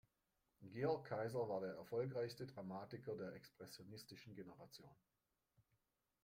Georg Kaiser war der erfolgreichste Dramatiker der expressionistischen Generation.